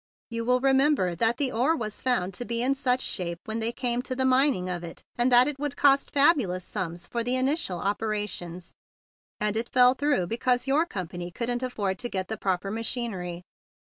You will remember that the ore was found to be in such shape when they came to the mining of it that it would cost fabu¬ lous sums for the initial operations, and it fell through because your company couldn't afford to get the proper ma¬ chinery.